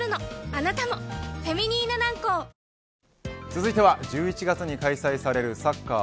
続いては１１月に開催されるサッカー